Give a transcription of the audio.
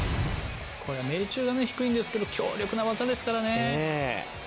これめいちゅうが低いんですけど強力な技ですからね。